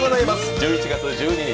１１月１２日